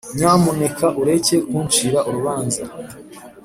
nyamuneka ureke kuncira urubanza